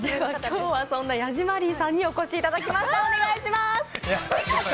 今日はそんなヤジマリーさんにお越しいただきました。